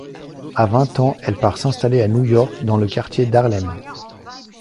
À vingt ans, elle part s'installer à New York, dans le quartier d'Harlem.